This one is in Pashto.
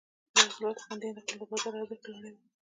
د حاصلاتو خوندي انتقال د بازار ارزښت لوړوي.